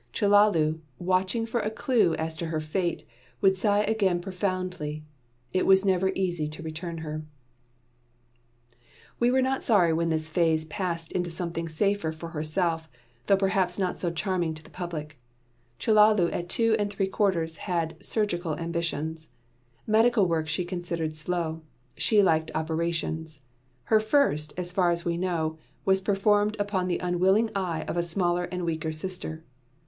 Chellalu, watching for a clue as to her fate, would sigh again profoundly. It was never easy to return her. [Illustration: "OH, IT'S A JOKE!"] We were not sorry when this phase passed into something safer for herself, though perhaps not so charming to the public. Chellalu at two and three quarters had surgical ambitions. Medical work she considered slow. She liked operations. Her first, so far as we know, was performed upon the unwilling eye of a smaller and weaker sister.